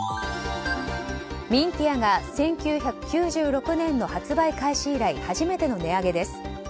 ミンティアが１９９６年の発売開始以来初めての値上げです。